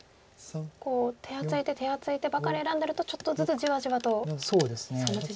手厚い手手厚い手ばかりを選んでるとちょっとずつじわじわと差も縮まりますよね。